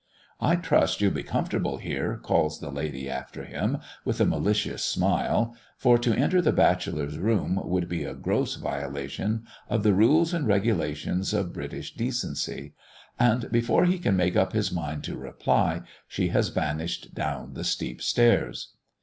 "I trust you'll be comfortable here," calls the lady after him, with a malicious smile; for to enter the bachelor's room, would be a gross violation of the rules and regulations of British decency. And before he can make up his mind to reply, she has vanished down the steep stairs.